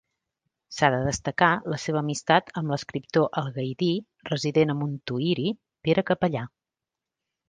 S'ha de destacar la seva amistat amb l'escriptor algaidí, resident a Montuïri, Pere Capellà.